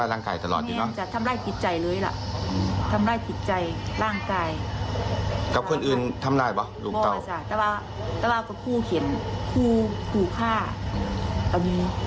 ไม่ว่าจ้ะแต่เราก็คู่เข็นคู่ฆ่าตัวนี้